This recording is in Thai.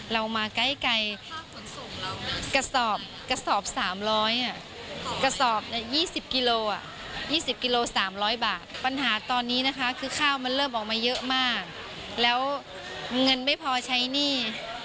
แล้วเงินไม่พอใช้หนี้